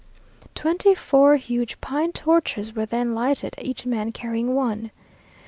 Twenty four huge pine torches were then lighted, each man carrying one.